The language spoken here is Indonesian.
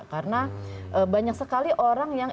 karena banyak sekali orang yang